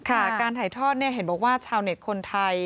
การถ่ายทอดเห็นบอกว่าชาวเน็ตคนไทย